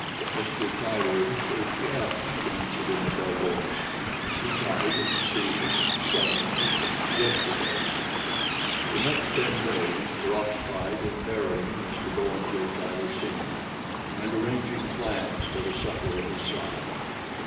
"Mr. Tyler is dead," he answered in a dull voice. "He died at sea, suddenly, yesterday." The next ten days were occupied in burying Mr. Bowen J. Tyler, Sr., and arranging plans for the succor of his son.